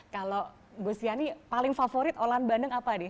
kalau mbak siani paling favorit olahan bandeng apa nih